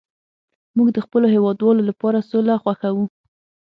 موږ د خپلو هیوادوالو لپاره سوله خوښوو